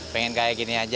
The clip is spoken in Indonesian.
pengen kayak gini aja